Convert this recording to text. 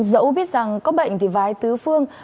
dẫu biết rằng có bệnh thì vai tứ phương